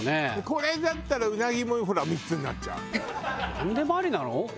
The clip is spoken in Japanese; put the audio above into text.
これだったらうなぎもほら３つになっちゃう。